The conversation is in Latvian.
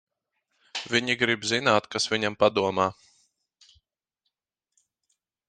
Viņi grib zināt, kas viņam padomā.